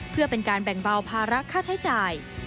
เพื่อเป็นการแบ่งเบาภาระค่าใช้จ่าย